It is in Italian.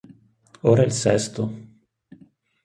Ora è il sesto.